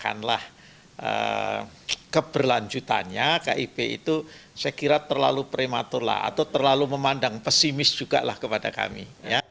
katakanlah keberlanjutannya kib itu saya kira terlalu prematur lah atau terlalu memandang pesimis juga lah kepada kami